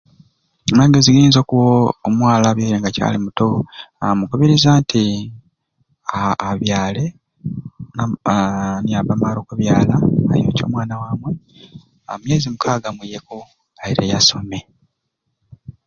Amagezi genyiza okuwa omwala abyere nga akyali muto hhhm mukubiriza nti haa abyale haaa naba amare okubyala ayonkye omwana wamwei myezi mukaaga omwiyeku ayireyo asome